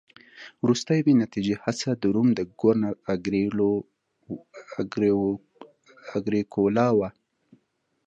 وروستۍ بې نتیجې هڅه د روم د ګورنر اګریکولا وه